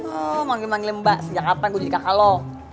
oh manggil manggil mbak sejak kapan gue jadi kakak lo